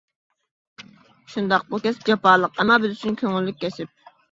شۇنداق، بۇ كەسىپ جاپالىق، ئەمما بىز ئۈچۈن كۆڭۈللۈك كەسىپ.